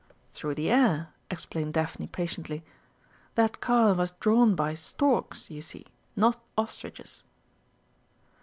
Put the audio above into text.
"Through the air," explained Daphne patiently. "That car was drawn by storks, you see not ostriches."